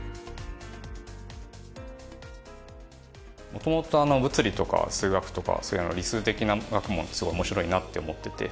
元々物理とか数学とかそういう理数的な学問ってすごい面白いなって思ってて。